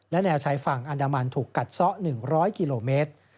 และแนวชายฝั่งอันดามันถูกกัดซะ๑๐๐กิโลเมตร